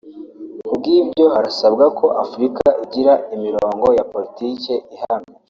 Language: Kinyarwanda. Kubw’ibyo harasabwa ko Afurika igira imirongo ya politike ihamye